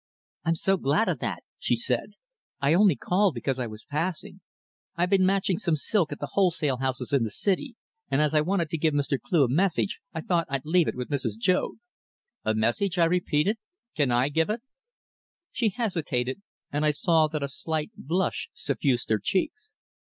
"I'm so glad of that," she said. "I only called because I was passing. I've been matching some silk at the wholesale houses in the City, and as I wanted to give Mr. Cleugh a message I thought I'd leave it with Mrs. Joad." "A message?" I repeated. "Can I give it?" She hesitated, and I saw that a slight blush suffused her cheeks.